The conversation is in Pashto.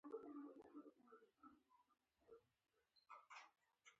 چرګ جنګول قانوني دي؟